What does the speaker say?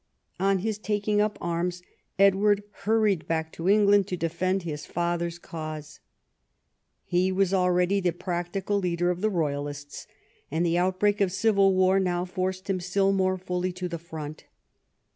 On his taking up arms, Edward hurried back to England to defend his father's cause. He was already the practical leader of the royalists, and the outbreak of civil war now forced him still more fully to the front.